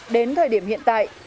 đến thời điểm hiện tại